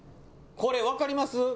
「これわかります？